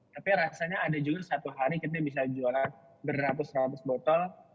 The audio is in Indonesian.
tapi rasanya ada juga satu hari kita bisa jualan beratus seratus botol